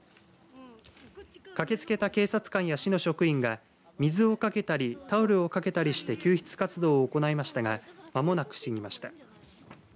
駆けつけた警察官や市の職員が水をかけたりタオルをかけたりして救出活動を行いましたが間もなく死にました。